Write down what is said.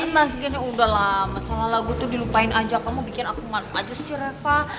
mas gini udah lah masalah lagu itu dilupain aja kamu bikin aku malu aja sih reva